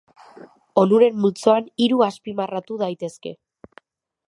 Onuren multzoan hiru azpimarratu daitezke.